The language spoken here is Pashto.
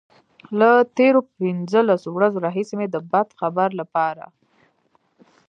له تېرو پنځلسو ورځو راهيسې مې د بد خبر لپاره.